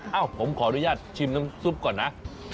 เอ้าผมขออนุญาตชิมน้ำซุปก่อนนะ